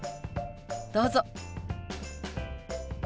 どうぞ。